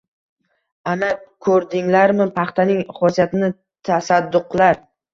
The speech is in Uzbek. Ana ko‘rdinglarmi paxtaning xosiyatini, tasadduqlar.